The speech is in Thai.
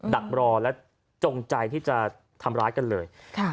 ดักรอและจงใจที่จะทำร้ายกันเลย